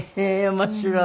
面白い。